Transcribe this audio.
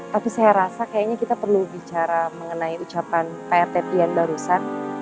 tapi saya rasa kayaknya kita perlu bicara mengenai ucapan prt yang barusan